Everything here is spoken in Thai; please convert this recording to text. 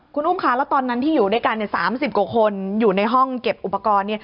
คุณอุ้มค่ะแล้วตอนนั้นที่อยู่ด้วยกัน๓๐กว่าคนอยู่ในห้องเก็บอุปกรณ์